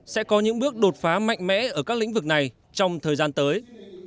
sẽ có những bước đột phá mạnh mẽ ở các lĩnh vực này trong thời gian tới